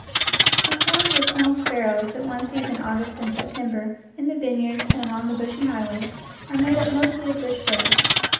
The swarms of small sparrows that one sees in August and September in the vineyards and along the bushy highways are made up mostly of bush sparrows.